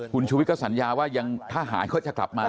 คุณชุวิตก็สัญญาว่ายังทหารเขาจะกลับมา